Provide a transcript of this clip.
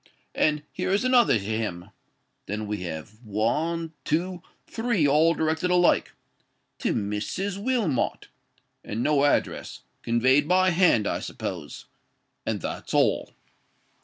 —And here is another to him.—Then we have one—two—three, all directed alike—to 'Mrs. Wilmot,' and no address: conveyed by hand, I suppose. And that's all."